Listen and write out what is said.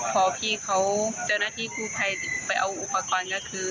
พอพี่เขาเจ้าหน้าที่กู้ภัยไปเอาอุปกรณ์ก็คือ